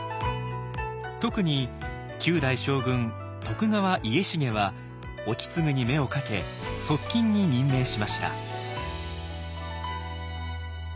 特に九代将軍徳川家重は意次に目をかけ側近に任命しました。